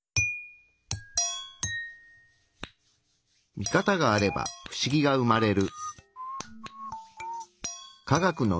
ミカタがあればフシギが生まれる。